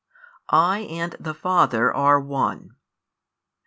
I and the Father are One.